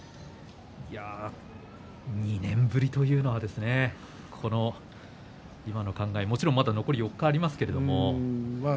２年ぶりというのは今の考え、もちろんあと残り４日ありますけれども。